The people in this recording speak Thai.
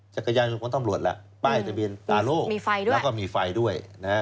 จักรยายของท่ำรวจล่ะป้ายอาโลกแล้วก็มีไฟด้วย